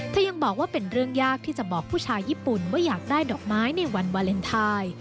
ยังบอกว่าเป็นเรื่องยากที่จะบอกผู้ชายญี่ปุ่นว่าอยากได้ดอกไม้ในวันวาเลนไทย